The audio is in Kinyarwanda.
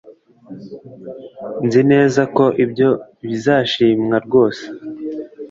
Nzi neza ko ibyo bizashimwa rwose